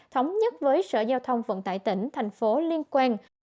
thống nhất với sở giao thông vận tải tỉnh thành phố liên quan